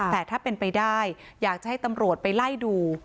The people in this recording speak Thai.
แต่ถ้าเป็นไปได้อยากให้ตำรวจเรารับต้อนรับล่ะ